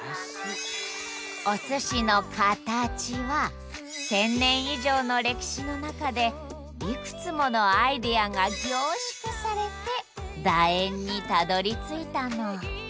おすしのカタチは１，０００年以上の歴史の中でいくつものアイデアが凝縮されてだ円にたどりついたの。